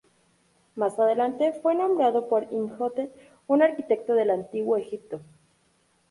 Más adelante fue nombrado por Imhotep, un arquitecto del Antiguo Egipto.